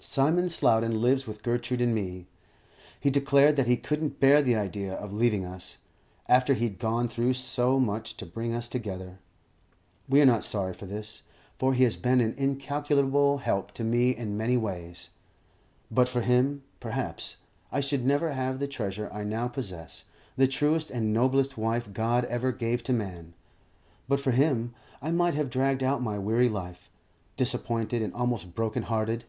Simon Slowden lives with Gertrude and me. He declared that he couldn't bear the idea of leaving us, after he'd gone through so much to bring us together. We are not sorry for this, for he has been an incalculable help to me in many ways. But for him, perhaps, I should never have the treasure I now possess, the truest and noblest wife God ever gave to man; but for him, I might have dragged out my weary life, disappointed and almost broken hearted.